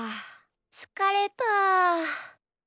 つかれた。